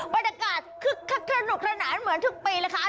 วันดรรมบรรตกาศขนุกขนานเหมือนทุกปีละค่ะ